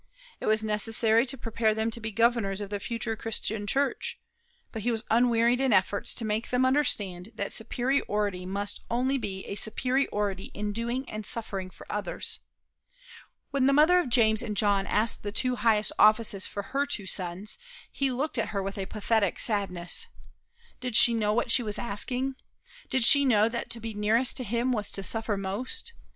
It was necessary to prepare them to be the governors of the future Christian Church. But he was unwearied in efforts to make them understand that superiority must only be a superiority in doing and suffering for others. When the mother of James and John asked the highest two offices for her two sons, he looked at her with a pathetic sadness. Did she know what she was asking? Did she know that to be nearest to him was to suffer most?